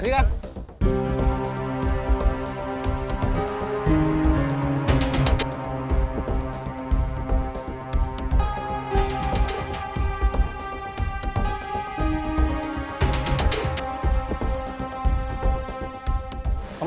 mereka sudah tebak gitu